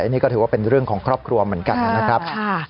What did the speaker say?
นี่ก็ถือว่าเป็นเรื่องของครอบครัวเหมือนกันนะครับ